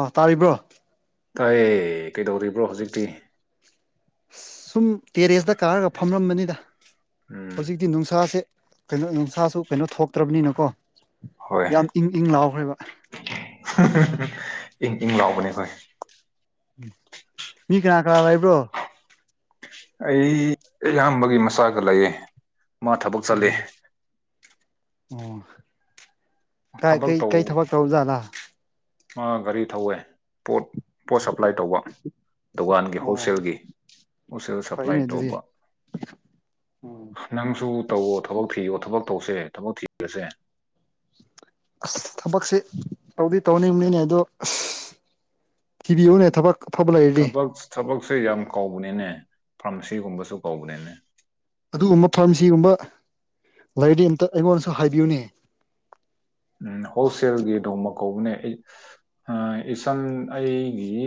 ꯑ ꯇꯥꯔꯤꯕ꯭ꯔꯣ ꯇꯥꯏ ꯀꯩꯗꯧꯔꯤꯕ꯭ꯔꯣ ꯍꯧꯖꯤꯛꯇꯤ ꯑꯁ ꯁꯨꯝ ꯇꯦꯔꯦꯁꯇ ꯀꯥꯔꯒ ꯐꯝꯔꯝꯕꯅꯤꯗ ꯎꯝ ꯍꯧꯖꯤꯛꯇꯤ ꯅꯨꯡꯁꯥꯁꯦ ꯀꯩꯅꯣ ꯅꯨꯡꯁꯥꯁꯨ ꯀꯩꯅꯣ ꯊꯣꯛꯇ꯭ꯔꯕꯅꯤꯅꯀꯣ ꯍꯣꯏ ꯌꯥꯝ ꯏꯪ ꯏꯪ ꯂꯥꯎꯈ꯭ꯔꯦꯕ ꯏꯪ ꯏꯪ ꯂꯥꯎꯕꯅꯦ ꯍ‌ꯣꯏ ꯎ ꯃꯤ ꯀꯅꯥ ꯀꯅꯥ ꯂꯩꯕ꯭ꯔꯣ ꯑꯩ ꯏꯌꯥꯝꯕꯒꯤ ꯃꯆꯥꯒ ꯂꯩꯌ‌ꯦ ꯎꯝ ꯑꯣ ꯀꯥꯏ ꯊꯕꯛ ꯀꯩ ꯇꯧ ꯀꯩ ꯊꯕꯛ ꯇꯧꯖꯥꯠꯂꯥ ꯃꯥ ꯒꯥꯔꯤ ꯊꯧꯋꯦ ꯄꯣꯠ ꯄꯣꯠ ꯁꯄ꯭ꯂꯥꯏ ꯇꯧꯕ ꯗꯨꯀꯥꯟꯒꯤ ꯑꯣ ꯍꯣꯜꯁꯦꯜꯒꯤ ꯍ‌ꯣꯜꯁꯦꯜ ꯁꯄ꯭ꯂꯥꯏ ꯐꯩꯅꯦ ꯑꯗꯨꯗꯤ ꯇꯧꯕ ꯎꯝ ꯅꯪꯁꯨ ꯇꯧꯋꯣ ꯊꯕꯛ ꯊꯤꯌꯣ ꯊꯕꯛ ꯇꯧꯁꯦ ꯊꯕꯛ ꯊꯤꯔꯁꯦ ꯑꯁ ꯊꯕꯛꯁꯦ ꯇꯧꯗꯤ ꯇꯧꯅꯤꯡꯕꯅꯤꯅꯦ ꯑꯗꯣ ꯊꯤꯕꯤꯌꯨꯅꯦ ꯊꯕꯛ ꯑꯐꯕ ꯂꯩꯔꯗꯤ ꯊꯕꯛ ꯊꯕꯛꯁꯦ ꯌꯥꯝ ꯀꯥꯎꯕꯅ‌ꯦꯅꯦ ꯐꯥꯔꯃꯥꯁꯤꯒꯨꯝꯕꯁꯨ ꯀꯥꯎꯕꯅ‌ꯦꯅꯦ ꯑꯗꯨꯒꯨꯝꯕ ꯐꯥꯔꯃꯥꯁꯤꯒꯨꯝꯕ ꯂꯩꯔꯗꯤ ꯑꯝꯇ ꯑꯩꯉꯣꯟꯗꯁꯨ ꯍꯥꯏꯕꯤꯌꯨꯅꯦ ꯎꯝ ꯍꯣꯜꯁꯦꯜꯒꯤ ꯗꯣꯡꯃ ꯀꯧꯕꯅꯦ ꯑꯩ ꯑꯥ ꯏꯆꯟ ꯑꯩꯒꯤ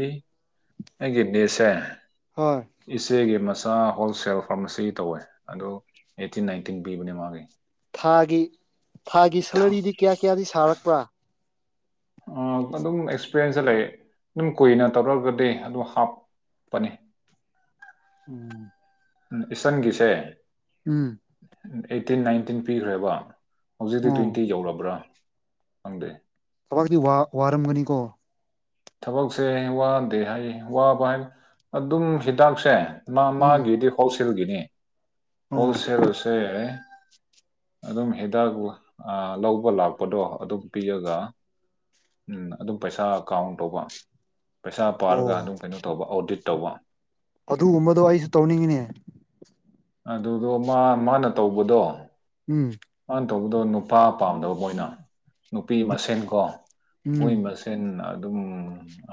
ꯑꯩꯒꯤ ꯅꯤꯁꯁ‌ꯦ ꯍꯣꯏ ꯏꯆꯦꯒꯤ ꯃꯆꯥ ꯍꯣꯜꯁꯦꯜ ꯐꯥꯔꯃꯥꯁꯤ ꯇꯧꯋꯦ ꯑꯗꯨ ꯑꯦꯠꯇꯤꯟ ꯅꯥꯏꯟꯇꯤꯟ ꯄꯤꯕꯅꯦ ꯃꯥꯒꯤ ꯊꯥꯒꯤ ꯊꯥꯒꯤ ꯁꯦꯂꯔꯤꯗꯤ ꯀꯌꯥ ꯀꯌꯥꯗꯤ ꯁꯥꯔꯛꯄ ꯎꯝ ꯑꯗꯨꯝ ꯑꯦꯛꯁꯄꯤꯔꯦꯟꯁꯇ ꯂꯩ ꯑꯗꯨꯝ ꯀꯨꯏꯅ ꯇꯧꯔꯒꯗꯤ ꯑꯗꯨ ꯍꯥꯞꯄꯅꯤ ꯎꯝ ꯎꯝ ꯏꯆꯟꯒꯤꯁꯦ ꯎꯝ ꯑꯩꯠꯇꯤꯟ ꯅꯥꯏꯟꯇꯤꯟ ꯄꯤꯈ꯭ꯔꯦꯕ ꯍꯧꯖꯤꯛꯇꯤ ꯑꯣ ꯇ꯭ꯋꯦꯟꯇꯤ ꯌꯧꯔꯕ꯭ꯔꯥ ꯈꯪꯗꯦ ꯊꯕꯥꯛꯇꯤ ꯋꯥ ꯋꯥꯔꯝꯒꯅꯤꯀꯣ ꯊꯕꯛꯁꯦ ꯋꯥꯗꯦ ꯍꯥꯏ ꯋꯥꯕ ꯍꯥꯏ ꯑꯗꯨꯝ ꯍꯤꯗꯥꯛꯁꯦ ꯎꯝ ꯅꯥꯛꯃꯥꯟꯒꯤꯗꯤ ꯍꯣꯜꯁꯦꯜꯒꯤꯅ‌ꯦ ꯑꯣ ꯍꯣꯜꯁꯦꯜꯁꯦ ꯑꯗꯨꯝ ꯍꯤꯗꯥꯛ ꯂ ꯑ ꯂꯧꯕ ꯂꯥꯛꯄꯗꯣ ꯑꯗꯨ ꯄꯤꯔꯒ ꯎꯝ ꯑꯗꯨ ꯄꯩꯁꯥ ꯀꯥꯎꯟ ꯇꯧꯕ ꯄꯩꯁꯥ ꯄꯥꯔꯒ ꯑꯣ ꯑꯗꯨꯝ ꯀꯩꯅꯣ ꯇꯧꯕ ꯑꯣꯗꯤꯠ ꯇꯧꯕ ꯑꯗꯨꯒꯨꯝꯕꯗꯣ ꯑꯩꯁꯨ ꯇꯧꯅꯤꯡꯉꯤꯅꯦ ꯑꯗꯨꯗꯣ ꯃꯥ ꯃꯥꯅ ꯇꯧꯕꯗꯣ ꯎꯝ ꯃꯥꯟ ꯇꯧꯕꯗꯣ ꯅꯨꯄꯥ ꯄꯥꯝꯗꯕ ꯃꯣꯏꯅ ꯅꯨꯄꯤ ꯃꯁꯦꯟ ꯀꯣ ꯃꯣꯏ ꯎꯝ ꯃꯁ ꯁꯦꯟ ꯑꯗꯨꯝ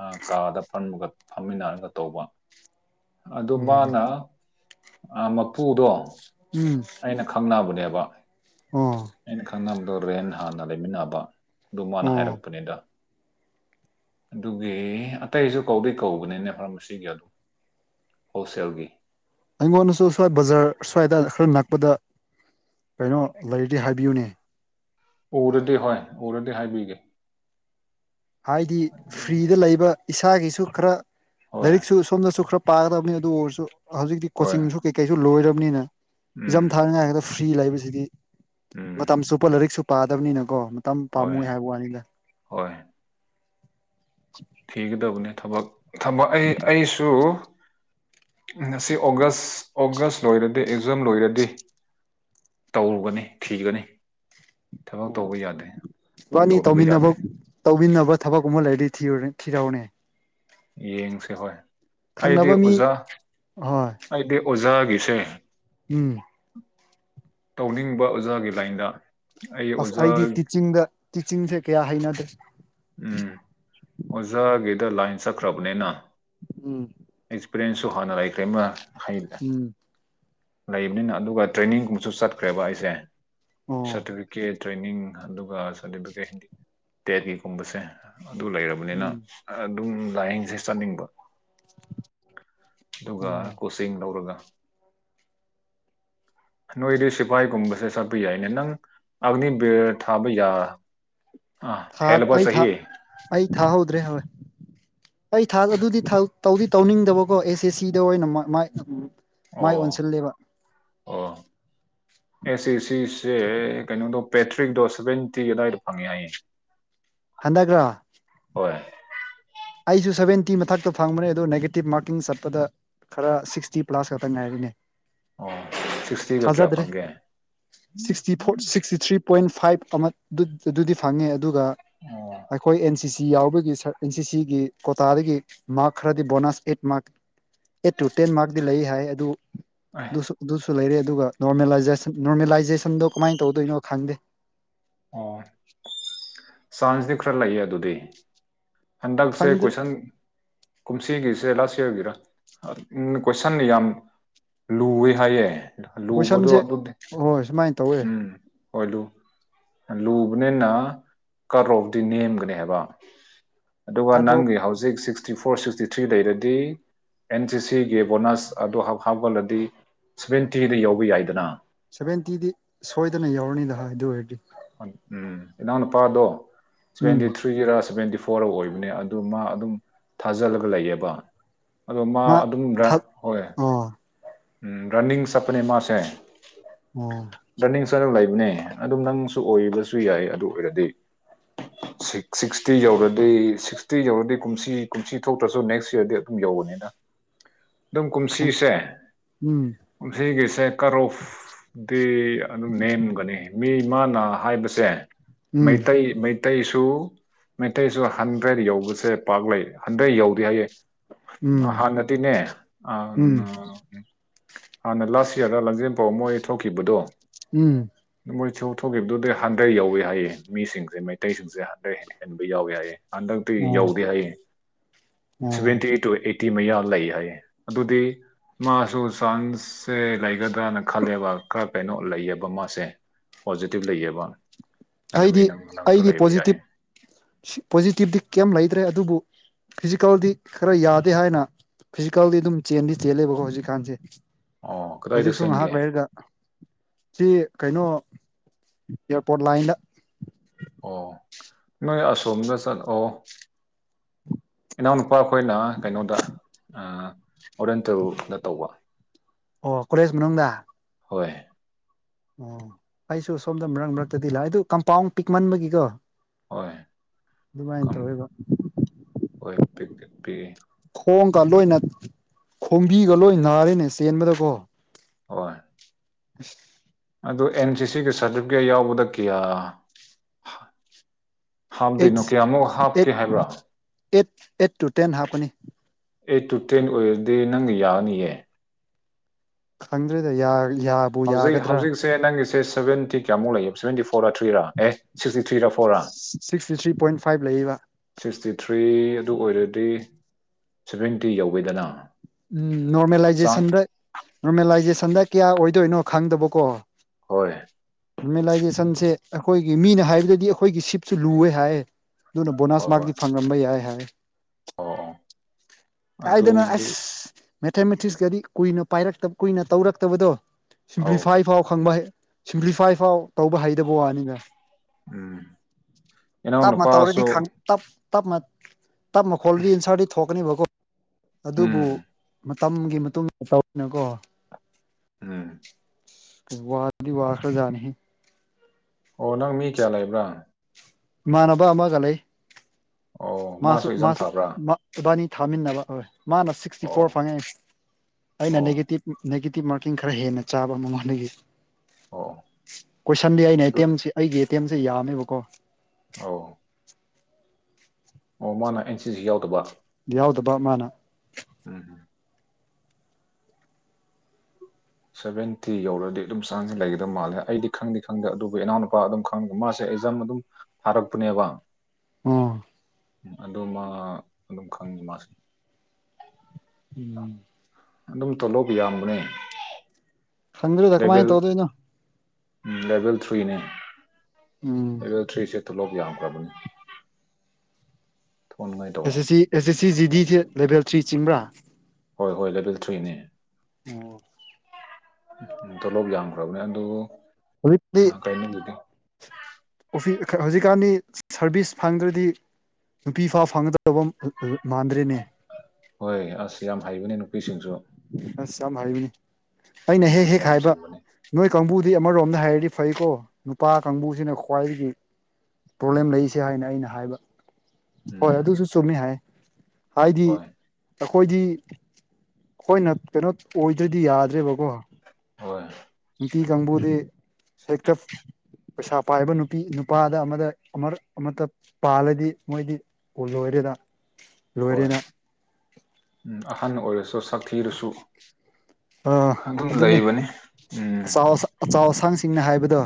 ꯑꯥ ꯀꯥꯗ ꯐꯝꯔꯒ ꯐꯝꯃꯤꯟꯅꯔꯒ ꯇꯧꯕ ꯑꯗꯨ ꯎꯝ ꯃꯥꯅ ꯑꯥ ꯃꯄꯨꯗꯣ ꯎꯝ ꯑꯩꯅ ꯈꯪꯅꯕꯅꯦꯕ ꯑꯣ ꯑꯩꯅ ꯈꯪꯅꯕꯗꯣ ꯔꯦꯟ ꯍꯥꯟꯅ ꯂꯩꯃꯤꯟꯅꯕ ꯑꯗꯨ ꯃꯥꯅ ꯑꯣ ꯍꯥꯏꯔꯛꯄꯅꯤꯗ ꯑꯗꯨꯒꯤ ꯑꯇꯩꯁꯨ ꯀꯧꯗꯤ ꯀꯧꯕꯅꯤꯅꯦ ꯐꯥꯔꯃꯥꯁꯤꯒꯤ ꯑꯗꯨ ꯍꯣꯜꯁꯦꯜꯒꯤ ꯑꯩꯉꯣꯟꯗꯁꯨ ꯁ꯭ꯋꯥꯏ ꯕꯖꯥꯔ ꯁ꯭ꯋꯥꯏꯗ ꯈꯔ ꯅꯛꯄꯗ ꯀꯩꯅꯣ ꯂꯩꯔꯗꯤ ꯍꯥꯏꯕꯤꯌꯨꯅꯦ ꯎꯔꯗꯤ ꯍꯣꯏ ꯎꯔꯗꯤ ꯍꯥꯏꯕꯤꯒꯦ ꯍꯥꯏꯗꯤ ꯑꯗꯨꯝ ꯐ꯭ꯔꯤꯗ ꯂꯩꯕ ꯏꯁꯥꯒꯤꯁꯨ ꯈꯔ ꯍꯣꯏ ꯂꯥꯏꯔꯤꯛꯁꯨ ꯁꯣꯝꯅꯁꯨ ꯈꯔ ꯄꯥꯒꯗꯕꯅꯤ ꯑꯗꯨ ꯑꯣꯏꯔꯁꯨ ꯍꯧꯖꯤꯛꯇꯤ ꯍꯣꯏ ꯀꯣꯆꯤꯡꯁꯨ ꯀꯩ ꯀꯩꯁꯨ ꯂꯣꯏꯔꯕꯅꯤꯅ ꯑꯦꯛꯖꯥꯝ ꯎꯝ ꯊꯥ ꯐ꯭ꯔꯤ ꯂꯩꯕꯁꯤꯗꯤ ꯎꯝ ꯃꯇꯝ ꯆꯨꯞꯄ ꯂꯥꯏꯔꯤꯛꯁꯨ ꯄꯥꯗꯕꯅꯤꯅꯀꯣ ꯌꯥꯝ ꯍꯣꯏ ꯄꯥꯝꯃꯨꯏ ꯍꯥꯏꯕ ꯋꯥꯅꯤꯗ ꯍꯣꯏ꯫ [unintelligible] ꯊꯤꯒꯗꯕꯅꯦ ꯊꯕꯛ ꯊꯝꯃꯣ ꯑꯩ ꯑꯩꯁꯨ꯫ ꯉꯁꯤ ꯑꯣꯒꯁ꯫ ꯑꯣꯒꯁ ꯂꯣꯏꯔꯗꯤ ꯑꯦꯛꯖꯥꯝ ꯂꯣꯏꯔꯗꯤ ꯇꯧꯒꯅꯤ ꯊꯤꯒꯅꯤ꯫ ꯊꯕꯛ ꯇꯧꯕ ꯌꯥꯗꯦ ꯇꯧꯗꯕ ꯌꯥꯗꯦ꯫ ꯇꯧꯕꯤꯅꯕ ꯊꯕꯛꯀꯨꯝꯕ ꯂꯩꯔꯗꯤ ꯊꯤꯌꯨꯅꯦ ꯊꯤꯔꯧꯅꯦ꯫ ꯌꯦꯡꯁꯦ ꯍꯣꯏ ꯑꯩꯗꯤ ꯈꯪꯅꯕ ꯃꯤ ꯑꯣꯖꯥ ꯍꯣꯏ ꯑꯩꯗꯤ ꯑꯣꯖꯥꯒꯤꯁꯦ꯫ ꯎꯝ꯫ ꯇꯧꯅꯤꯡꯕ ꯑꯣꯖꯥꯒꯤ ꯂꯥꯏꯟꯗ꯫ ꯑꯩ ꯑꯁ ꯑꯣꯖꯥ ꯑꯩꯗꯤ ꯇꯤꯆꯤꯡꯗ ꯇꯤꯆꯤꯡꯁꯦ ꯀꯌꯥ ꯍꯩꯅꯗꯦ꯫ ꯎꯝ ꯑꯣꯖꯥꯒꯤꯗ ꯂꯥꯏꯟ ꯆꯠꯈ꯭ꯔꯕꯅꯤꯅ꯫ ꯎꯝ꯫ ꯑꯦꯛꯁꯄꯤꯔ꯭ꯌꯦꯟꯁꯁꯨ ꯍꯥꯟꯅ ꯍꯩꯒ꯭ꯔꯦꯝꯃ ꯍꯩꯕꯅꯦ ꯎꯝ ꯂꯩꯕꯅꯤꯅ ꯑꯗꯨꯒ ꯇ꯭ꯔꯦꯅꯤꯡꯒꯨꯝꯕꯁꯨ ꯆꯠꯈ꯭ꯔꯦꯕ ꯑꯩꯁꯦ ꯑꯣ ꯁꯥꯔꯇꯤꯐꯤꯀꯦꯠ꯫ ꯇ꯭ꯔꯦꯅꯤꯡ ꯑꯗꯨꯒ ꯁꯥꯔꯇꯤꯐꯤꯀꯦꯠꯗꯤ ꯇꯦꯂꯤꯒꯨꯝꯕꯁꯦ ꯑꯗꯨ ꯂꯩꯔꯕꯅꯤꯅ꯫ ꯎꯝ ꯑꯗꯨꯝ ꯂꯥꯏꯌꯦꯡꯁꯦ ꯆꯠꯅꯤꯡꯕ ꯑꯗꯨꯒ ꯑꯣ ꯇꯤꯡ ꯂꯧꯔꯒ [unintelligible] ꯅꯣꯏꯗꯤ ꯁꯤꯐꯥꯏꯒꯨꯝꯕꯁꯦ ꯆꯠꯄ ꯌꯥꯏꯅꯦ ꯅꯪ ꯑꯒꯅꯤꯕꯤꯔ ꯊꯥꯕ ꯌꯥ ꯑꯥ꯫ ꯊꯥ ꯍꯦꯜꯂꯕ ꯑꯩ ꯊꯥ ꯆꯍꯤ ꯑꯩ ꯊꯥꯍꯧꯗ꯭ꯔꯦ ꯍꯣꯏ ꯑꯩ ꯊꯥ ꯑꯗꯨꯗꯤ ꯇꯧꯗꯤ ꯇꯧꯅꯤꯡꯗꯕꯀꯣ ꯑꯦꯁ ꯑꯦ ꯁꯤꯗ ꯑꯣꯏꯅ ꯑꯣ ꯃꯥꯏ ꯑꯣꯟꯁꯤꯜꯂꯦꯕ꯫ ꯑꯣ ꯑꯦ ꯁꯤ ꯁꯤꯁꯦ ꯀꯩꯅꯣꯗꯣ ꯄꯦꯇ꯭ꯔꯤꯛ ꯗꯣ ꯁꯕꯦꯟ ꯇꯤ ꯑꯗꯨꯗꯥꯏꯗ ꯐꯪꯉꯦ ꯍꯥꯏꯌꯦ꯫ ꯍꯟꯗꯛꯔ꯫ ꯍꯣꯏ꯫ ꯑꯩꯁꯨ ꯁꯕꯦꯟꯇꯤ ꯃꯊꯛꯇ ꯐꯪꯕꯅꯦ ꯑꯗꯨ ꯅꯦꯒꯦꯇꯤꯞ ꯃꯥꯔꯀꯤꯡ ꯆꯠꯄꯗ ꯈꯔ ꯁꯤꯛꯁꯇꯤ ꯄ꯭ꯂꯥꯁ ꯈꯛꯇ ꯉꯥꯏꯔꯦꯅꯦ꯫ ꯑꯣ ꯁꯤꯛꯁꯇꯤꯒ ꯀꯌꯥ ꯐꯪꯒꯦ꯫ Sixty four sixty three point five ꯑꯃ ꯑꯗꯨꯗꯤ ꯐꯪꯉꯦ ꯑꯗꯨꯒ ꯑꯣ ꯑꯩꯈꯣꯏ ꯑꯦꯟ ꯁꯤ ꯁꯤ ꯌꯥꯎꯕꯒꯤ ꯑꯦꯟ ꯁꯤ ꯒꯤ ꯀꯣꯇꯥꯗꯒꯤ ꯃꯥꯔꯛ ꯈꯔꯗꯤ bonus eight mark eight two ten ꯃꯥꯔꯛꯇꯤ ꯂꯩ ꯍꯥꯏ ꯑꯗꯨ [unintelligible] ꯑꯗꯨꯁꯨ ꯑꯗꯨꯁꯨ ꯂꯩꯔꯦ ꯑꯗꯨꯒ ꯅꯣꯔꯃꯦꯂꯥꯏꯖꯦꯁꯥꯟꯗꯨ ꯅꯣꯔꯃꯦꯂꯥꯏꯖꯦꯁꯟꯗꯣ ꯀꯃꯥꯏꯅ ꯇꯧꯗꯣꯏꯅꯣ ꯈꯪꯗꯦ꯫ ꯑꯣ ꯆꯥꯟꯁꯗꯤ ꯈꯔ ꯂꯩꯌꯦ ꯑꯗꯨꯗꯤ ꯍꯟꯗꯛꯁꯦ ꯈꯪꯗ꯭ꯔꯦ ꯀꯣꯏꯁꯟ ꯀꯨꯝꯁꯤꯒꯤꯁꯦ ꯂꯥꯁ ꯏꯌꯔꯒꯤꯔ ꯎꯝ ꯀꯣꯏꯁꯟ ꯌꯥꯝ ꯂꯨꯋꯦ ꯍꯥꯏꯌꯦ ꯂꯨꯕꯗꯣ ꯀꯣꯏꯁꯟꯁꯦ ꯑꯗꯨꯗꯤ ꯍꯣꯏ ꯁꯨꯃꯥꯏꯅ ꯇꯧꯋꯦ ꯎꯝ ꯍꯣꯏ ꯂꯨ ꯂꯨꯕꯅꯤꯅ ꯀꯠ ꯑꯣꯐꯇꯤ ꯅꯦꯝꯒꯅꯤ ꯍꯥꯏꯕ ꯑꯗꯨꯒ ꯀꯠ ꯑꯣꯞ ꯅꯪꯒꯤ ꯍꯧꯖꯤꯛ ꯁꯤꯛꯁ ꯕꯤꯐꯣꯔ ꯁꯤꯛꯁꯇꯤ ꯊ꯭ꯔꯤ ꯂꯩꯔꯗꯤ ꯑꯦꯟ ꯁꯤ ꯁꯤꯒꯤ ꯕꯣꯅꯁ ꯑꯗꯨ ꯍꯥꯞꯒꯠꯂꯗꯤ ꯁꯕꯦꯟꯇꯤꯗꯤ ꯌꯥꯎꯕ ꯌꯥꯏꯗꯅ ꯁꯚꯦꯟꯇꯤꯗꯤ ꯁꯣꯏꯗꯅ ꯌꯧꯔꯅꯤꯗ ꯍꯥ ꯑꯗꯨ ꯑꯣꯏꯔꯗꯤ ꯎꯝ ꯏꯅꯥꯎ ꯅꯨꯨꯄꯥꯗꯣ ꯁꯚꯦꯟꯇꯤ ꯎꯝ ꯊ꯭ꯔꯤ ꯊ꯭ꯔꯤꯔ ꯁꯚꯦꯟꯇꯤ ꯐꯣꯔ ꯑꯣꯏꯕꯅꯦ ꯑꯗꯨ ꯃꯥ ꯑꯗꯨꯝ ꯊꯥꯖꯜꯂꯒ ꯂꯩꯌꯦꯕ ꯑꯗꯣ ꯃꯥ ꯑꯗꯨꯝ ꯔ ꯍꯣꯏ ꯔꯟꯅꯤꯡ ꯑꯣ ꯎꯝ ꯔꯟꯅꯤꯡ ꯆꯠꯄꯅꯦ ꯃꯥꯁꯦ ꯑꯣ ꯔꯅꯤꯡ ꯆꯠꯂꯒ ꯂꯩꯕꯅꯦ ꯑꯗꯨꯝ ꯅꯪꯁꯨ ꯑꯣꯏꯕꯁꯨ ꯌꯥꯏ ꯑꯗꯨ ꯑꯣꯏꯔꯗꯤ ꯁꯤꯛꯁꯇꯤ ꯌꯧꯔꯗꯤ ꯁꯤꯛꯁꯇꯤ ꯌꯧꯔꯗꯤ ꯀꯨꯝꯁꯤ ꯀꯨꯝꯁꯤ ꯊꯣꯛꯇ꯭ꯔꯁꯨ ꯅꯦꯛꯁ ꯌꯔꯗꯤ ꯑꯗꯨꯝ ꯌꯧꯕꯅꯤꯁ [inaudible] ꯑꯗꯨꯝ ꯈꯪ ꯀꯨꯝꯁꯤꯁꯦ ꯎꯝ ꯀꯨꯝꯁꯤꯒꯤꯁꯦ ꯀꯔꯣꯐ ꯗꯤ ꯑꯗꯨꯝ ꯅꯦꯝꯒꯅꯤ ꯃꯤ ꯃꯥꯅ ꯍꯥꯏꯕꯁꯦ ꯎꯝ ꯃꯩꯇꯩ ꯃꯩ ꯇꯩꯁꯨ ꯃꯩꯇꯩꯁꯨ ꯍꯟꯗ꯭ꯔꯦꯗ ꯌꯧꯕꯁꯦ ꯄꯥꯛ ꯂꯩ ꯍꯟꯗ꯭ꯔꯦꯗ ꯌꯧꯗꯦ ꯍꯥꯏꯌꯦ ꯎꯝ ꯍꯥꯟꯅꯗꯤꯅꯦ ꯎꯝ ꯍꯥꯟꯅ ꯂꯥꯁ ꯌꯔꯗ ꯂꯥꯡꯖꯦꯟꯄꯥꯎ ꯃꯣꯏ ꯊꯣꯛꯈꯤꯕꯗꯣ ꯎꯝ ꯃꯣꯏꯁꯨ ꯊꯣꯛꯈꯤꯕꯗꯨꯗꯤ ꯍꯟꯗ꯭ꯔꯦꯗ ꯌꯧꯏ ꯍꯥꯏꯌꯦ ꯃꯤꯁꯤꯡꯁꯦ ꯃꯩꯇꯩꯁꯤꯡꯁꯦ ꯍꯟꯗ꯭ꯔꯦ ꯍꯦ ꯍꯦꯟꯕ ꯌꯥꯎꯏ ꯍꯥꯏꯌꯦ ꯍꯟꯗꯛꯇꯤ ꯑꯣ ꯌꯧꯗꯦ ꯍꯥꯏꯌꯦ ꯑꯣ seventy eight two eighty ꯃꯌꯥ ꯂꯩ ꯍꯥꯏꯌꯦ ꯑꯗꯨꯗꯤ ꯃꯥ ꯁꯨ ꯆꯥꯟꯁꯁꯦ ꯂꯩꯒꯗ꯭ꯔꯅ ꯈꯜꯂꯦꯕ ꯈꯔ ꯀꯩꯅꯣ ꯂꯩꯌꯦꯕ ꯃꯥꯁꯦ ꯄꯣꯖꯤꯇꯤꯚ ꯂꯩꯌꯦꯕ ꯑꯗꯨꯒꯤ ꯑꯩꯗꯤ ꯅꯪ ꯅꯪꯁꯨ ꯂꯩꯕ ꯌꯥꯏ ꯁꯤ ꯄꯣꯖꯤꯇꯤꯚꯇꯤ ꯀꯌꯤꯝ ꯂꯩꯇ꯭ꯔꯦ ꯑꯗꯨꯕꯨ ꯐꯤꯖꯤꯀꯦꯜꯗꯤ ꯈꯔ ꯌꯥꯗꯦ ꯍꯥꯏꯅ ꯐꯤꯖꯤꯀꯦꯜꯗꯤ ꯑꯗꯨꯝ ꯆꯦꯟꯗꯤ ꯆꯦꯜꯂꯦꯕꯀꯣ ꯍꯧꯖꯤꯛꯀꯥꯟꯁꯦ ꯑꯣ ꯀꯗꯥꯏꯗ ꯍꯧꯖꯤꯛꯁꯨ ꯆꯦꯟꯒꯦ ꯉꯍꯥꯛ ꯂꯩꯔꯒ ꯆꯤ ꯀꯩꯅꯣ ꯑꯦꯌꯔꯄꯣꯔꯠ ꯂꯥꯏꯟꯗ ꯑꯣ ꯅꯣꯏ ꯑꯁꯣꯝꯗ ꯆꯠ ꯑꯣ ꯏꯅꯥꯎꯅꯨꯄꯥ ꯈꯣꯏꯅ ꯀꯩꯅꯣꯗ ꯑꯣꯔꯦꯟꯇꯦꯜꯗ ꯇꯧꯕ ꯑꯣ ꯀꯣꯂꯦꯖ ꯃꯅꯨꯡꯗ ꯍꯣꯏ ꯑꯣ ꯑꯩꯁꯨ ꯁꯣꯝꯗ ꯃꯔꯛ ꯃꯔꯛꯇꯗꯤ ꯂꯥꯛꯑꯦ ꯑꯗꯨ ꯀꯝꯄꯥꯎꯟ ꯄꯤꯛꯃꯟꯕꯒꯤꯀꯣ ꯍꯣꯏ ꯑꯗꯨꯃꯥꯏꯅ ꯀꯝ ꯇꯧꯑꯦꯕ ꯍꯣꯏ ꯄꯤꯛꯇꯤ ꯄꯤꯛꯏ ꯈꯣꯡꯀ ꯂꯣꯏꯅ ꯈꯣꯡꯕꯤꯒ ꯂꯣꯏ ꯅꯥꯔꯦꯅꯦ ꯆꯦꯟꯕꯗꯀꯣ ꯍꯣꯏ [inaudible] ꯑꯗꯨ ꯑꯦꯟ ꯁꯤꯒꯤ ꯁꯥꯔꯇꯤꯕꯤꯒꯦꯠ ꯌꯥꯎꯕꯗ ꯀꯌꯥ ꯍꯥꯎꯗꯤ ꯑꯩꯠ ꯅ‌ꯣ ꯀ꯭ꯌꯥꯃꯨꯛ ꯍꯥꯞꯀꯦ ꯑꯩꯠ ꯍꯥꯏꯕ꯭ꯔꯥ ꯑꯩꯠ ꯑꯦꯠ ꯇꯨ ꯇꯦꯟ ꯍꯥꯞꯄꯅꯤ ꯑꯩꯠ ꯇꯨ ꯇꯦꯟ ꯑꯣꯏꯔꯗꯤ ꯅꯪꯒ ꯌꯥꯔꯅꯤꯌꯦ ꯈꯪꯗ꯭ꯔꯦꯗ ꯌꯥ ꯌꯥ ꯍꯧꯖꯤꯛ ꯍꯧꯖꯤꯛꯁꯦ ꯅꯪꯒꯤꯁꯦ ꯁꯕꯦꯟꯇꯤ ꯀꯌꯥꯃꯨꯛ ꯂꯩꯌ‌ꯦꯕ ꯁꯕ‌ꯦꯟꯇꯤ ꯐꯣ ꯐꯣꯔꯥ ꯊ꯭ꯔꯤꯔ ꯑꯦ ꯁꯤꯛꯁꯇꯤ ꯊ꯭ꯔꯤꯔꯥ ꯐꯣꯔꯥ ꯁꯤꯛꯁꯇꯤ ꯊ꯭ꯔꯤ ꯄꯣꯏꯟ ꯐꯥꯏꯚ ꯂꯩꯌꯦꯕ ꯁꯤꯛꯁꯇꯤ ꯊ꯭ꯔꯤ ꯑꯗꯨ ꯑꯣꯏꯔꯗꯤ ꯁꯚꯦꯟꯇꯤ ꯌꯧꯋ‌ꯦꯗꯅ ꯎꯝ ꯅꯣꯔꯃꯦꯂꯥꯏꯖꯦꯁꯟꯗ ꯅꯣꯔꯃꯦꯂꯥꯏꯖꯦꯁꯟꯗ ꯀꯌꯥ ꯑꯣꯏꯗꯣꯏꯅꯣ ꯈꯪꯗꯕꯀꯣ ꯍꯣꯏ ꯅ‌ꯣꯔꯃ‌ꯦꯂꯥꯏꯖꯦꯁꯟꯁꯦ ꯑꯩꯈꯣꯏꯒꯤ ꯃꯤꯅ ꯍꯥꯏꯕꯗꯗꯤ ꯑꯩꯈꯣꯏꯒꯤ ꯁꯤꯠꯁꯨ ꯂꯨꯋꯦ ꯍꯥꯏꯌꯦ ꯅꯗꯨꯅ ꯍꯣꯏ ꯕꯣꯅꯥꯁ ꯍꯣꯏ ꯃꯥꯛꯗꯤ ꯐꯪꯉꯝꯕ ꯌꯥꯏ ꯍꯥꯏꯌ‌ꯦ ꯑꯣ ꯑꯣ ꯀꯥꯏꯗꯅ‌ꯣ ꯑꯗꯨꯗꯤ ꯑꯁ ꯃꯦꯊꯃꯦꯇꯤꯁꯀꯗꯤ ꯀꯨꯏꯅ ꯄꯥꯏꯔꯛꯇꯕ ꯀꯨꯏꯅ ꯇꯧꯔꯛꯇꯕꯗꯣ ꯑꯧ ꯁꯤꯝꯄ꯭ꯂꯤꯐꯥꯏ ꯐꯥꯎ ꯈꯪꯕ ꯑꯩ ꯁꯤꯝꯄ꯭ꯂꯤꯐꯥꯏ ꯐꯥꯎ ꯇꯧꯕ ꯍꯩꯗꯕ ꯋꯥꯅꯤꯅ ꯎꯝ ꯏꯅꯥꯎ ꯇꯧꯔꯗꯤ ꯅꯨꯄꯥꯁꯨ ꯈꯪ ꯇꯞ ꯇꯞꯅ ꯇꯞꯅ ꯍ‌ꯣꯠꯂꯗꯤ ꯑꯦꯟꯁ꯭ꯔꯗꯤ ꯊꯣꯛꯀꯅꯦꯕꯀꯣ ꯑꯗꯨꯕꯨ ꯎꯝ ꯃꯇꯝꯒꯤ ꯃꯇꯨꯡ‌ ꯇꯧꯕꯅ‌ꯦꯀꯣ ꯎꯝ ꯑꯁ ꯋꯥꯗꯤ ꯋꯥꯈ꯭ꯔꯥꯖꯥꯠꯅꯤ ꯑꯣ ꯅꯪ ꯃꯤ ꯀꯌꯥ ꯂꯩꯕ꯭ꯔꯥ ꯏꯃꯥꯟꯅꯕ ꯑꯃꯒ ꯂꯩ ꯑꯣ ꯃꯥꯁꯨ ꯑꯦꯛꯖꯥꯝ ꯃꯥꯁꯨ-ꯃꯥꯁꯨ ꯊꯥꯕ꯭ꯔꯥ ꯃꯥ ꯏꯕꯥꯟꯅꯤ ꯊꯥꯃꯤꯟꯅꯕ ꯍꯣꯏ ꯃꯥꯅ ꯁꯤꯛꯁꯇꯤ ꯑꯣ ꯐꯣꯔ ꯐꯪꯉꯦ ꯑꯩꯅ ꯑꯣ ꯑꯣ ꯅꯦꯒꯦꯇꯤꯞ-ꯅꯦꯒꯦꯇꯤꯞ ꯃꯥꯔꯀꯤꯡ ꯈꯔ ꯍꯦꯟꯅ ꯆꯥꯕ ꯃꯉꯣꯟꯗꯒꯤ ꯑꯣ ꯀꯣꯏꯁꯟꯗꯤ ꯑꯩꯅ ꯑꯗꯨ ꯑꯦꯇꯦꯝꯁꯦ ꯑꯩꯒꯤ ꯑꯦꯇꯦꯝꯁꯦ ꯌꯥꯝꯃꯦꯕꯀꯣ ꯑꯧ [inaudible] ꯑꯣ ꯃꯥꯅ ꯑꯦꯟ ꯁꯤ ꯁꯤ ꯌꯥꯎꯗꯕ ꯌꯥꯎꯗꯕ ꯃꯥꯅ ꯎꯝ ꯍꯝ ꯁꯚꯦꯟꯇꯤ ꯌꯧꯔꯗꯤ ꯑꯗꯨꯝ ꯆꯥꯡꯁ ꯂꯩꯒꯗꯕ ꯃꯥꯜꯂꯦ ꯑꯩꯗꯤ ꯈꯪꯗꯤ ꯈꯪꯗꯦ ꯑꯗꯨꯕꯨ ꯏꯅꯥꯎꯅꯨꯄꯥ ꯑꯗꯨꯝ ꯈꯪ ꯃꯥꯁꯦ ꯑꯦꯛꯖꯥꯝ ꯑꯗꯨꯝ ꯊꯥꯔꯛꯄꯅꯦꯕ ꯎꯝ ꯑꯗ‌ꯣ ꯃꯥ ꯑꯗꯨꯝ ꯈꯪꯉꯤ ꯃꯥꯁꯦ ꯎꯝ ꯑꯗꯨꯝ ꯇꯣꯂꯣꯕ ꯌꯥꯝꯕꯅꯦ ꯈꯪꯗꯦꯗ ꯀꯃꯥꯏ ꯂꯦꯚꯦꯜ ꯇꯧꯗ‌ꯣꯏꯅꯣ ꯎꯝ ꯂꯦꯚꯦꯜ ꯊ꯭ꯔꯤꯅꯦ ꯎꯝ ꯂꯦꯚꯦꯜ ꯊ꯭ꯔꯤꯁꯦ ꯇꯣꯂꯣꯞ ꯌꯥꯝꯗꯕꯅ‌ꯦ ꯊꯣꯛꯅꯉꯥꯏ ꯇꯧ ꯑꯦꯁ ꯑꯦꯁ ꯁꯤ ꯑꯦꯁ ꯑꯦꯁ ꯁꯤ ꯖꯤ ꯗꯤꯁꯦ ꯂꯦꯚꯦꯜ ꯊ꯭ꯔꯤ ꯆꯤꯡꯕ꯭ꯔꯥ ꯍꯣꯏ ꯍꯣꯏ ꯂꯦꯕꯦꯜ ꯊ꯭ꯔꯤꯅꯦ ꯑꯣ ꯇꯣꯂꯣꯞ ꯌꯥꯝꯗꯕꯅꯦ ꯑꯗꯨ ꯍꯧꯖꯤꯛꯇꯤ ꯀꯩꯅꯣꯒꯤꯗꯤ ꯑꯣꯐꯤ ꯈꯥ ꯍꯧꯖꯤꯛꯀꯥꯟꯗꯤ ꯁꯥꯔꯚꯤꯁ ꯐꯪꯗ꯭ꯔꯗꯤ ꯅꯨꯄꯤ ꯐꯥꯎ ꯐꯪꯒꯗꯕ ꯃꯥꯟꯗ꯭ꯔꯦꯅꯦ ꯍꯣꯏ ꯑꯁ ꯌꯥꯝ ꯍꯩꯕꯅꯦ ꯅꯨꯄꯤꯁꯤꯡꯁꯨ ꯑꯁ ꯌꯥꯝ ꯍꯩꯕꯅꯤ ꯑꯩꯅ ꯍꯦꯛ ꯍꯦꯛ ꯌꯥꯝ ꯍꯥꯏꯕ ꯁꯤꯡꯕꯅꯦ ꯅꯣꯏ ꯀꯥꯡꯕꯨꯗꯤ ꯑꯃꯔꯣꯝꯗ ꯍꯥꯏꯔꯗꯤ ꯐꯩꯀꯣ ꯅꯨꯄꯥ ꯀꯥꯡꯕꯨꯁꯤꯅ ꯈ꯭ꯋꯥꯏꯗꯒꯤ ꯄ꯭ꯔꯣꯕ꯭ꯂꯦꯝ ꯂꯩꯔꯤꯁꯦ ꯍꯥꯏꯅ ꯑꯩꯅ ꯍꯥꯏꯕ ꯍꯣꯏ ꯎꯝ ꯑꯗꯨꯁꯨ ꯆꯨꯝꯃꯦ ꯍꯥꯏ ꯍꯥꯏꯗꯤ ꯍꯣꯏ ꯑꯈꯣꯏꯗꯤ ꯑꯈꯣꯏꯅ ꯀꯩꯅꯣ ꯑꯣꯏꯗ꯭ꯔꯗꯤ ꯌꯥꯗ꯭ꯔꯦꯕꯀꯣ ꯍꯣꯏ ꯅꯨꯄꯤ ꯀꯥꯡꯕꯨꯗꯤ ꯍꯦꯛꯇ ꯄꯩꯁꯥ ꯄꯥꯏꯕ ꯅꯨꯄꯤ ꯅꯨꯄꯥꯗ ꯑꯃꯗ ꯑꯃꯔꯛ ꯑꯃꯠꯇ ꯄꯥꯜꯂꯗꯤ ꯃꯣꯏꯗꯤ ꯀꯣ ꯂꯣꯏꯔꯦꯗ ꯍꯣꯏ ꯂꯣꯏꯔꯦꯅ ꯎꯝ ꯑꯍꯟ ꯑꯣꯏꯔꯁꯨ ꯁꯛ ꯊꯤꯔꯁꯨ ꯑꯥ ꯑꯗꯨꯅꯦ ꯎꯝ ꯑꯆꯥꯎ ꯑꯁꯥꯡ ꯑꯆꯥꯎ ꯑꯁꯥꯡꯁꯤꯡꯅ ꯍꯥꯏꯕꯗꯣ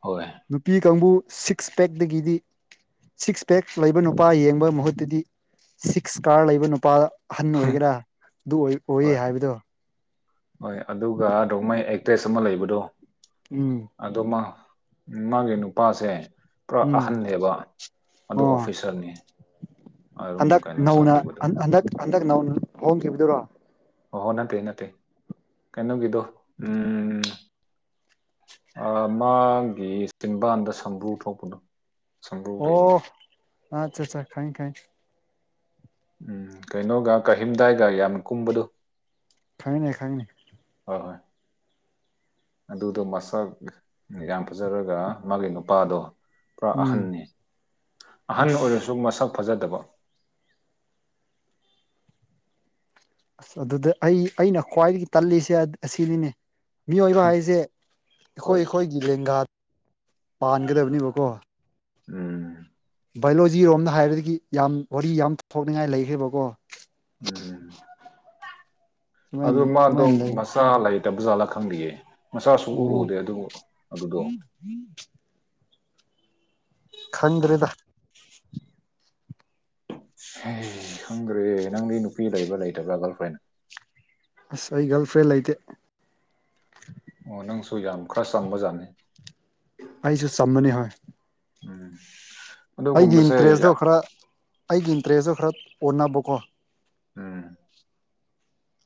ꯍꯣꯏ ꯅꯨꯄꯤ ꯀꯥꯡꯕꯨ ꯁꯤꯛꯁ ꯄꯦꯛꯗꯒꯤꯗꯤ ꯁꯤꯛꯁ ꯄꯦꯛ ꯂꯩꯕ ꯅꯨꯄꯥ ꯌꯦꯡꯕ ꯃꯍꯨꯠꯇꯗꯤ ꯁꯤꯛꯁ ꯀꯥꯔ ꯂꯩꯕ ꯅꯨꯄꯥꯗ ꯑꯍꯟ ꯑꯣꯏꯒꯦꯔꯥ ꯑꯗꯨ ꯑꯣꯏ ꯑꯣꯏꯌꯦ ꯍꯣꯏ ꯍꯥꯏꯕꯗꯣ ꯍꯣꯏ ꯑꯗꯨꯒ ꯔꯣꯡꯃꯩ ꯑꯦꯛꯇ꯭ꯔꯦꯁ ꯑꯃ ꯂꯩꯕꯗꯣ ꯎꯝ ꯑꯗꯨ ꯃꯥ ꯃꯥꯒꯤ ꯅꯨꯄꯥꯁꯦ ꯄꯨꯔꯥ ꯎꯝ ꯑꯍꯟꯅꯦꯕ ꯑꯗꯨ ꯑꯣ ꯑꯣꯐꯤꯁꯥꯔꯅꯦ ꯍꯟꯗꯛ ꯅꯧꯅ ꯍꯟ ꯍꯟꯗꯛ ꯍꯟꯗꯛ ꯅꯧꯅ ꯍꯣꯡꯈꯤꯕꯗꯨꯔꯣ ꯑꯣ ꯅꯠꯇꯦꯅꯠꯇꯦ ꯀꯩꯅꯣꯒꯤꯗꯣ ꯎꯝ ꯑꯥ ꯃꯥꯒꯤ ꯆꯤꯟꯕꯥꯟꯗ ꯁꯝꯕ꯭ꯔꯨ ꯊꯣꯛꯄꯗꯣ ꯁꯝꯕ꯭ꯔꯨ ꯑꯣ ꯂꯩꯕꯅꯤ ꯑꯥꯆꯠ ꯆꯥ ꯈꯪꯏ ꯈꯪꯏ ꯎꯝ ꯀꯩꯅꯣꯒ ꯀꯥꯍꯤꯝꯗꯥꯏꯒ ꯌꯥꯝꯅ ꯀꯨꯝꯕꯗꯣ ꯈꯪꯉꯤꯅꯦ ꯈꯪꯉꯤꯅꯦ ꯍꯣꯏ ꯍꯣꯏ ꯑꯗꯨꯗꯣ ꯃꯁꯛ ꯌꯥꯝ ꯐꯖꯔꯒ ꯃꯥꯒꯤ ꯅꯨꯄꯥꯗꯣ ꯄꯨꯔꯥ ꯎꯝ ꯑꯍꯟꯅꯦ ꯑꯍꯟ ꯑꯁ ꯑꯣꯏꯔꯁꯨ ꯃꯁꯛ ꯐꯖꯗꯕ ꯑꯁ ꯑꯗꯨꯗ ꯑꯩ ꯑꯩꯅ ꯈ꯭ꯋꯥꯏꯗꯒꯤ ꯇꯜꯂꯤꯁꯦ ꯑꯥ ꯑꯁꯤꯅꯤꯅꯦ ꯃꯤꯑꯣꯏꯕ ꯍꯥꯏꯖꯦ ꯑꯈꯣꯏ ꯍꯣꯏ ꯑꯈꯣꯏ ꯂꯦꯡꯒꯥ ꯄꯥꯟꯒꯗꯕꯅꯦꯕꯀꯣ ꯎꯝ ꯕꯥꯏꯑꯣꯂꯣꯖꯤꯔꯣꯝꯗ ꯍꯥꯏꯔꯒꯤ ꯌꯥꯝ ꯋꯥꯔꯤ ꯌꯥꯝ ꯊꯣꯛꯅꯤꯡꯉꯥꯏ ꯂꯩꯈ꯭ꯔꯦꯕꯀꯣ ꯎꯝ ꯑꯗꯣ ꯁꯨꯃꯥꯏꯅ ꯃꯥꯗꯣ ꯀꯃꯥꯏꯅ ꯂꯩ ꯃꯁ ꯃꯆꯥ ꯂꯩꯇꯕꯖꯥꯠꯂ ꯈꯪꯗꯤꯌꯦ ꯃꯆꯥ ꯁꯨꯡꯎ ꯑꯣ ꯎꯗꯦ ꯑꯗꯨꯕꯨ ꯑꯗꯨꯗꯣ [inaudible] ꯈꯟꯗ꯭ꯔꯦꯗ ꯑꯦ ꯈꯪꯗ꯭ꯔꯦ ꯅꯪꯗꯤ ꯅꯨꯄꯤ ꯂꯩꯕ꯭ꯔꯥ ꯂꯩꯇꯕ꯭ꯔꯥ ꯒ꯭ꯔꯜ ꯐ꯭ꯔꯦꯟ ꯑꯁ ꯑꯩ ꯒ꯭ꯔꯜꯐ꯭ꯔꯦꯟ ꯂꯩꯇꯦ ꯑꯣ ꯅꯪꯁꯨ ꯌꯥꯝ ꯈ꯭ꯔꯁ ꯆꯝꯕꯖꯥꯠꯅꯤ ꯑꯩꯖꯨ ꯆꯝꯕꯅꯦ ꯍꯣꯏ ꯎꯝ ꯑꯩꯒꯤ ꯑꯗꯨꯒꯨꯝꯕꯁꯦ ꯏꯟꯇ꯭ꯔꯦꯁꯇꯣ ꯌꯥ ꯈꯔ ꯑꯩꯒꯤ ꯏꯟꯇ꯭ꯔꯦꯁꯇꯣ ꯈꯔ ꯑꯣꯟꯅꯕꯀꯣ ꯎꯝ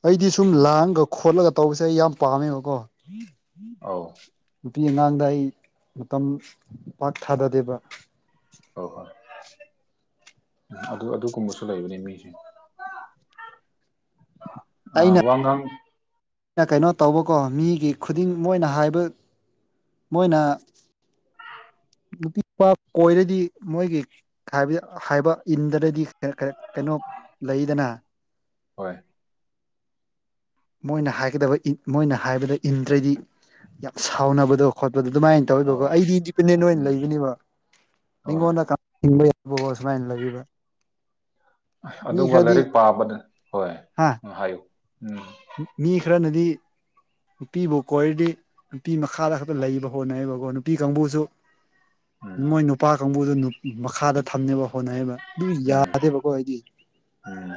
ꯑꯩꯗꯤ ꯁꯨꯝ ꯎꯝ ꯂꯥꯡꯉꯒ ꯈꯣꯠꯂꯒ ꯇꯧꯕꯁꯦ ꯑꯩ ꯌꯥꯝ ꯄꯥꯝꯃꯦꯕꯀꯣ ꯑꯧ ꯅꯨꯄꯤ ꯑꯉꯥꯡꯗ ꯑꯩ ꯃꯇꯝ ꯄꯥꯛ ꯊꯥꯗꯗꯦꯕ ꯑꯣ ꯑꯣ ꯎꯝ ꯑꯗꯨ ꯑꯗꯨꯒꯨꯝꯕꯁꯨ ꯂꯩꯕꯅꯦ ꯃꯤꯁꯦ [unintelligible] [inaudible] ꯑ ꯋꯥꯉꯥꯡ ꯑꯩꯅ ꯀꯩꯅꯣ ꯇꯧꯕꯀꯣ ꯃꯤꯒꯤ ꯈꯨꯗꯤꯡ ꯃꯣꯏꯅ ꯍꯥꯏꯕ ꯃꯣꯏꯅ ꯅꯨꯄꯤ ꯄꯥꯛ ꯀꯣꯏꯔꯗꯤ ꯃꯣꯏꯒꯤ ꯍꯥꯏꯕ ꯍꯥꯏꯕ ꯏꯟꯗꯔꯗꯤ ꯀꯩꯅꫭ [unintelligible] ꯀꯩꯅꯣ ꯂꯩꯗꯅ ꯍꯣꯏ ꯃꯣꯏꯅ ꯍꯥꯏꯒꯗꯕ ꯃꯣꯏꯅ ꯍꯥꯏꯕꯗ ꯏꯟꯗ꯭ꯔꯗꯤ ꯌꯥꯝ ꯁꯥꯎꯅꯕꯗꯣ ꯈꯣꯠꯄꯗꯣ ꯑꯗꯨꯃꯥꯏꯅ ꯑꯧ ꯇꯧꯋꯦꯕꯀꯣ ꯑꯩꯗꯤ ꯏꯟꯗꯤꯄꯦꯟꯗꯦꯟ ꯑꯣꯏꯅ ꯎꯝ ꯂꯩꯒꯅꯤꯕ ꯍꯣꯏ ꯑꯩꯉꯣꯟꯗ ꯍꯤꯡꯕ [unintelligible] ꯌꯥꯕꯀꯣ ꯁꯨꯃꯥꯏꯅ ꯂꯩꯌꯦꯕ ꯃꯤ ꯑꯗꯨꯒ ꯈꯔꯗꯤ ꯂꯥꯏꯔꯤꯛ ꯄꯥꯕꯗ ꯍꯣꯏ ꯍꯥ ꯍꯥꯏꯌꯨ ꯎꯝ ꯃꯤ ꯈꯔꯅꯗꯤ ꯅꯨꯄꯤꯕꯨ ꯀꯣꯏꯔꯗꯤ ꯅꯨꯄꯤ ꯃꯈꯥꯗ ꯈꯛꯇ ꯂꯩꯕ ꯍꯣꯠꯅꯩ ꯑꯕꯀꯣ ꯅꯨꯄꯤ ꯀꯥꯡꯕꯨꯁꯨ ꯎꯝ ꯃꯣꯏ ꯅꯨꯄꯥ ꯀꯥꯡꯕꯨꯗꯨ ꯃꯈꯥꯗ ꯊꯝꯅꯕ ꯍꯣꯠꯅꯩꯕ ꯑꯗꯨ ꯎꯝ ꯌꯥꯗꯦꯕꯀꯣ ꯑꯩꯗꯤ ꯎꯝ